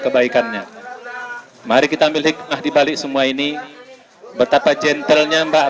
kebaikannya mari kita ambil hikmah dibalik semua ini betapa gentlenya mbak